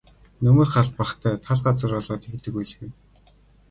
Нөмөр хаалт багатай тал газар болоод тэгдэг байлгүй.